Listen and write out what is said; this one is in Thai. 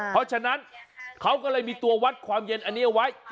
เพราะฉะนั้นเขาก็เลยมีตัววัดความเย็นอันนี้เอาไว้